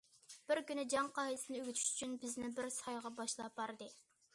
بىر كۈنى جەڭ قائىدىسىنى ئۆگىتىش ئۈچۈن، بىزنى بىر سايغا باشلاپ باردى.